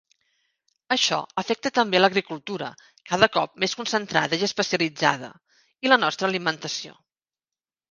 Això afecta també l'agricultura, cada cop més concentrada i especialitzada, i la nostra alimentació.